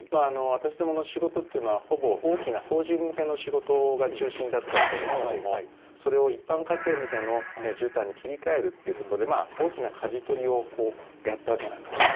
私どもの仕事っていうのはほぼ大きな法人向けの仕事が中心だったわけですけどもそれを一般家庭向けの絨毯に切り替えるっていうことでまあ大きなかじ取りをやったわけなんですね。